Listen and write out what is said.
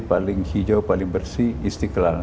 paling hijau paling bersih istiqlal